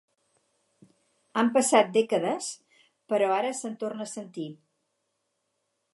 Han passat dècades, però ara se'n torna a sentir.